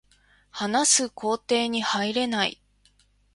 話す工程に入れない